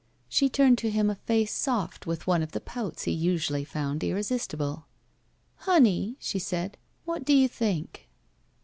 She turned to him a face soft, with one of the pouts he usually foimd irresistible. "Honey," she said, "what do you think?"